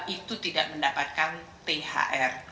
itu tidak mendapatkan thr